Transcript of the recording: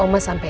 bisa dia sampai